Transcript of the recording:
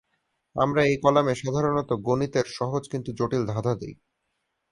আমরা এই কলামে সাধারণত গণিতের সহজ কিন্তু জটিল ধাঁধা দিই।